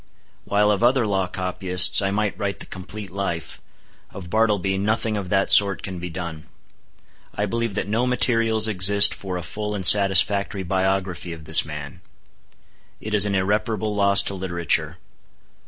While of other law copyists I might write the complete life, of Bartleby nothing of that sort can be done. I believe that no materials exist for a full and satisfactory biography of this man. It is an irreparable loss to literature.